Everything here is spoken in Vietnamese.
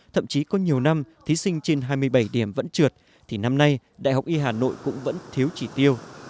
thậm chí có nhiều năm thí sinh trên hai mươi bảy điểm vẫn trượt thì năm nay đại học y hà nội cũng vẫn thiếu chỉ tiêu